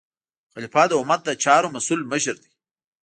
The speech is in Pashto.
خلیفه د امت د چارو مسؤل مشر دی.